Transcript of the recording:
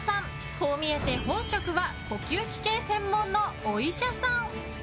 こう見えて本職は呼吸器系専門のお医者さん。